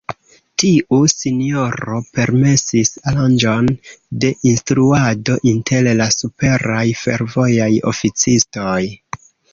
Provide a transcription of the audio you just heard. Tiu sinjoro permesis aranĝon de instruado inter la superaj fervojaj oficistoj.